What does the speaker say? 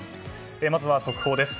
まずは速報です。